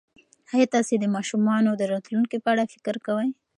ایا تاسي د ماشومانو د راتلونکي په اړه فکر کوئ؟